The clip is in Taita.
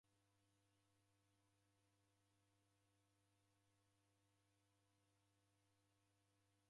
Ndekuw'emanya kwaduka kii chongo?